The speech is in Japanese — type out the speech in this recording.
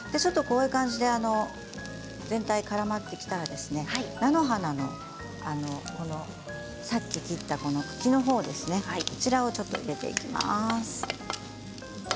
こういう感じで全体にからまってきたら菜の花のさっき切った茎のほうですねこちらを入れていきます。